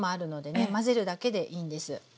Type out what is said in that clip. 混ぜるだけでいいんです。